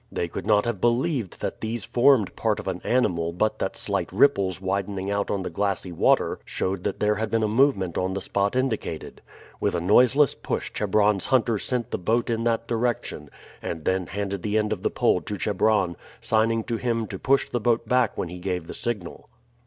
They could not have believed that these formed part of an animal but that slight ripples widening out on the glassy water showed that there had been a movement at the spot indicated. With a noiseless push Chebron's hunter sent the boat in that direction, and then handed the end of the pole to Chebron, signing to him to push the boat back when he gave the signal.